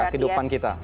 iya kehidupan kita